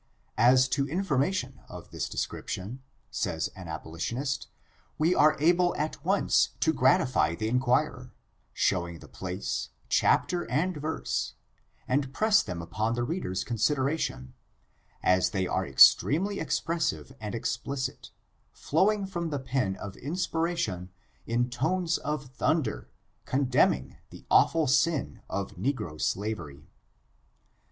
As to information of this description, says an abolitionist, we are able at once to gratify the inquirer, showing the place, chapter and verses, and press them upon the reader's consideration, as they are extremely ex pressive and explicit, flowing from :he pen of inspira tion in tones of thunder, condemni]].g the awful sin of negro slavery.